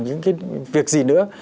những cái việc gì nữa